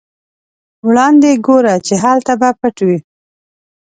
وړاندې ګوره چې هلته به پټ وي.